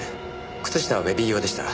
靴下はベビー用でした。